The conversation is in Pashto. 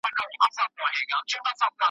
د شعر د پیغام په برخه کي پوښتنه وسي `